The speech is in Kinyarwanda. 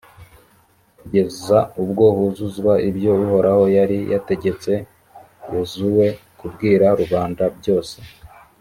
kugeza ubwo huzuzwa ibyo uhoraho yari yategetse yozuwe kubwira rubanda byose.